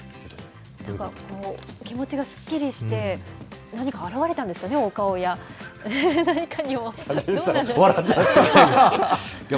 気持ちがすっきりして、何か表れたんですかね、お顔や何かに、笑ってます。